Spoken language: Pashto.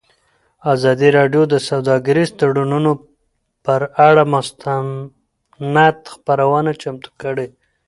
ازادي راډیو د سوداګریز تړونونه پر اړه مستند خپرونه چمتو کړې.